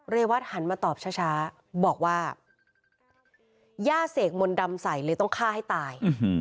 เรวัตหันมาตอบช้าบอกว่าย่าเสกมนต์ดำใส่เลยต้องฆ่าให้ตาย